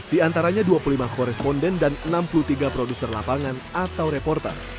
di antaranya dua puluh lima koresponden dan enam puluh tiga produser lapangan atau reporter